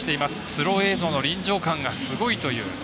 スロー映像の臨場感がすごいという。